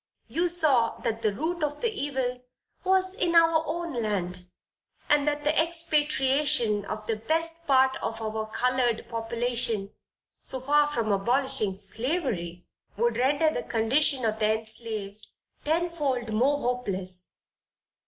You saw that the root of the evil was in our own land, and that the expatriation of the best part of our colored population, so far from abolishing slavery, would render the condition of the enslaved tenfold more hopeless.